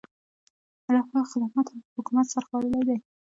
رفاه، خدماتو او حکومت سر خوړلی دی.